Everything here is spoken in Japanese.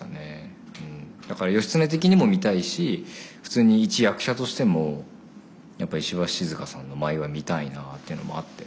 だから義経的にも見たいし普通に一役者としてもやっぱ石橋静河さんの舞は見たいなっていうのもあって。